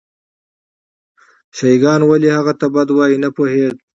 شیعه ګان ولې هغه ته بد وایي نه پوهېد.